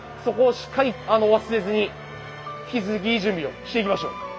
そこをしっかり忘れずに引き続きいい準備をしていきましょう。